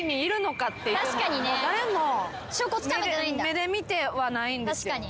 目で見てはないんですよ。